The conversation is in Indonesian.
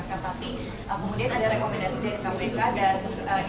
tapi kemudian ada rekomendasi dari kpk dan imigran komendasi